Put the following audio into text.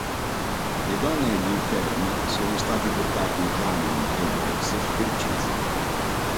Le donne e gli infermi sono stati portati in camion ai box e uccisi.